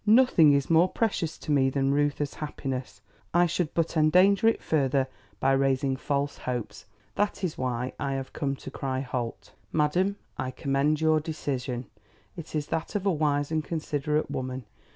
"Nothing is more precious to me than Reuther's happiness. I should but endanger it further by raising false hopes. That is why I have come to cry halt." "Madam, I commend your decision. It is that of a wise and considerate woman.